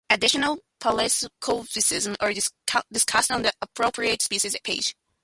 Additional paleosubspecies are discussed on the appropriate species page.